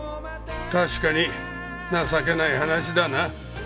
確かに情けない話だな。